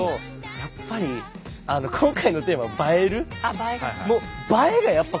やっぱり今回のテーマは「映える」。